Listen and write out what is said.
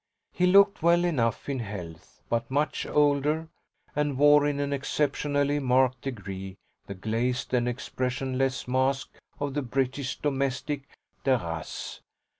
He looked well enough in health, but much older, and wore in an exceptionally marked degree the glazed and expressionless mask of the British domestic DE RACE.